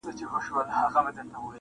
ګل پر څانګه غوړېدلی باغ سمسور سو٫